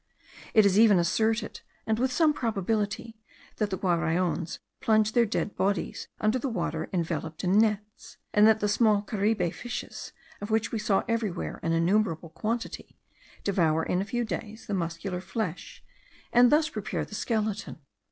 It is even asserted, and with some probability, that the Guaraons plunge their dead bodies under water enveloped in nets; and that the small caribe fishes, of which we saw everywhere an innumerable quantity, devour in a few days the muscular flesh, and thus prepare the skeleton.